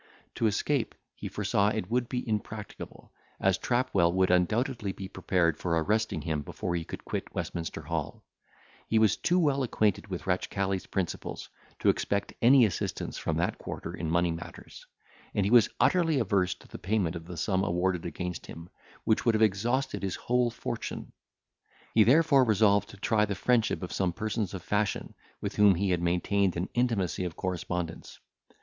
To escape, he foresaw it would be impracticable, as Trapwell would undoubtedly be prepared for arresting him before he could quit Westminster Hall; he was too well acquainted with Ratchcali's principles, to expect any assistance from that quarter in money matters; and he was utterly averse to the payment of the sum awarded against him, which would have exhausted his whole fortune. He therefore resolved to try the friendship of some persons of fashion, with whom he had maintained an intimacy of correspondence.